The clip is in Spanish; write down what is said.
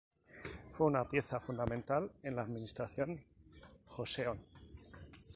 Fue una pieza fundamental en la administración Joseon.